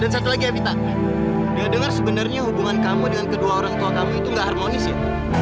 dan satu lagi ya vita ya dengar sebenarnya hubungan kamu dengan kedua orang tua kamu itu gak harmonis ya